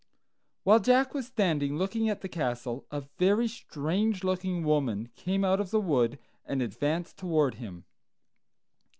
While Jack was standing looking at the castle, a very strange looking woman came out of the wood and advanced toward him.